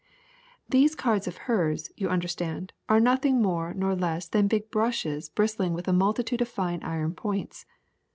These cards of hers, you understand, are nothing more nor less than big brushes bristling with a multitude of fine iron points.